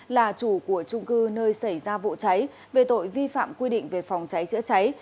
là chủ của trung cư nơi xảy ra vụ cháy về tội vi phạm quy định về phòng cháy chữa cháy